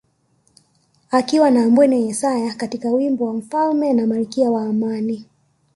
Akiwa na Ambwene Yesaya katika wimbo wa mfalme na malkia na Amani